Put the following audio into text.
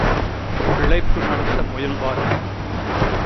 பிழைப்பு நடத்த முயல்வார்கள்.